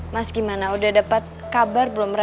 mas gimana udah dapet kabar belum reva